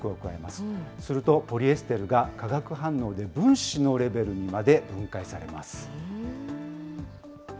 すると、ポリエステルが化学反応で分子のレベルにまで分解されます。